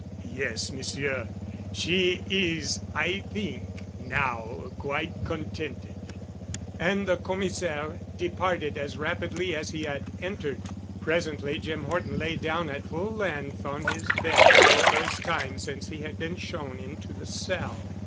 "Yes, Monsieur. She is, I think, now quite contented." And the Commissaire departed as rapidly as he had entered. Presently Jim Horton lay down at full length on his bed—the first time since he had been shown into the cell.